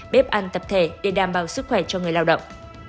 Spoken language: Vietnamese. bếp ăn tập thể để đảm bảo sức khỏe cho người lao động